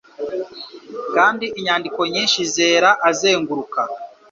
Kandi inyandiko nyinshi zera azenguruka,